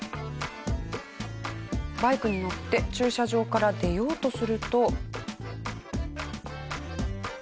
バイクに乗って駐車場から出ようとすると。